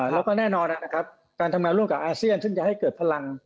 แล้วก็แน่นอนนะครับการทำงานร่วมกับอาเซียนซึ่งจะให้เกิดพลัง